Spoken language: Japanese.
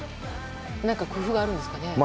何か工夫があるんですかね。